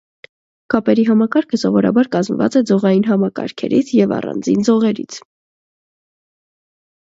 Կապերի համակարգը սովորաբար կազմված է ձողային համակարգերից և առանձին ձորերից։